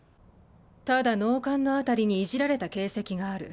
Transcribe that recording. ただ脳幹の辺りにいじられた形跡がある。